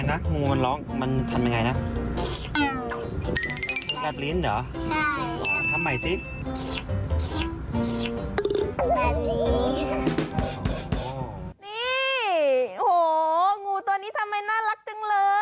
ยังไงนะงูกันร้อง